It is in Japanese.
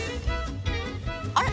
あれ？